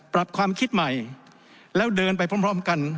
ปรับความคิดใหม่แล้วเดินไปพร้อมกัน